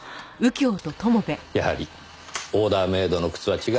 やはりオーダーメードの靴は違うんでしょうねぇ。